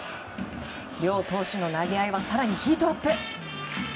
両投手の投げ合いは更にヒートアップ。